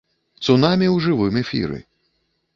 Цунамі ў жывым эфіры.